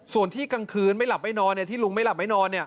ส่วนที่กลางคืนไม่หลับไม่นอนที่ลุงไม่หลับไม่นอน